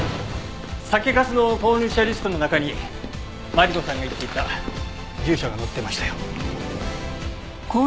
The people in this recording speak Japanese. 酒粕の購入者リストの中にマリコさんが言っていた住所が載ってましたよ。